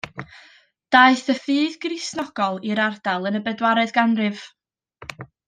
Daeth y ffydd Gristionogol i'r ardal yn y bedwaredd ganrif.